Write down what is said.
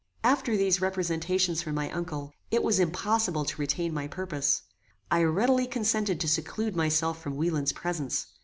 After these representations from my uncle, it was impossible to retain my purpose. I readily consented to seclude myself from Wieland's presence.